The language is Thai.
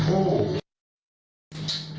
โอ้โห